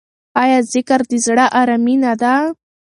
آیا ذکر د زړه ارامي نه ده؟